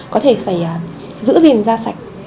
có thể phải giữ gìn da sạch